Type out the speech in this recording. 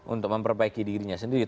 untuk memperbaiki dirinya sendiri